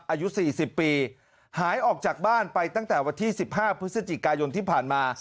อายุ๔๐ปีหายออกจากบ้านไปตั้งแต่วันที่๑๕พฤศจิกายนที่ผ่านมา